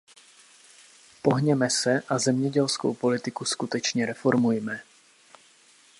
Pohněme se, a zemědělskou politiku skutečně reformujme.